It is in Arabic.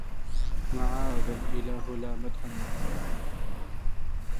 ومَعَاذَ الإله لا مدحَ يأتي